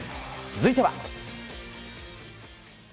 続いては。